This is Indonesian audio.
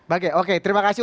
oke oke terima kasih